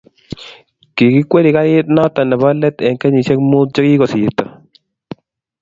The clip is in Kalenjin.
kikikweri karit noto nebo let eng kenyishek muut che kikosirto